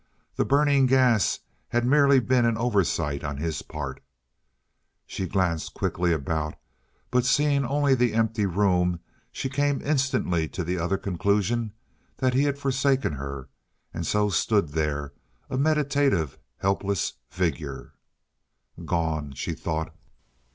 The burning gas had merely been an oversight on his part. She glanced quickly about, but seeing only the empty room, she came instantly to the other conclusion, that he had forsaken her—and so stood there, a meditative, helpless figure. "Gone!" she thought.